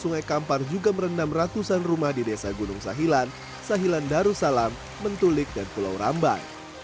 sungai kampar juga merendam ratusan rumah di desa gunung sahilan sahilan darussalam mentulik dan pulau rambai